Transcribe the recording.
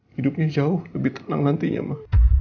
hidupnya jauh lebih tenang nantinya mah